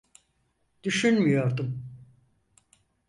Düşünmüyordum.